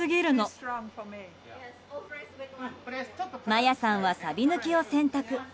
マヤさんは、サビ抜きを選択。